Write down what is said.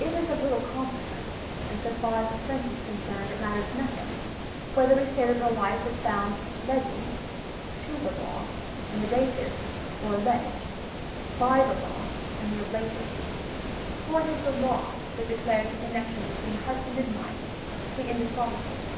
It is of little consequence, and so far as the sense is con cerned it matters nothing, whether we say that the wife is bound legi, {to the law,) in the dative, or lege, (by the law,) in the ablative. For it is the law that declares the connec tion between husband and wife to be indissoluble.